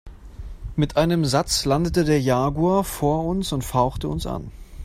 Mit einem Satz landete der Jaguar vor uns und fauchte uns an.